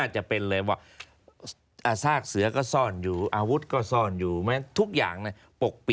จะไปเท่ยังไง